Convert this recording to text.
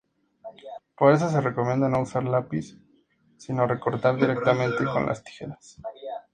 Por eso se recomienda no usar lápiz, sino recortar directamente con las tijeras.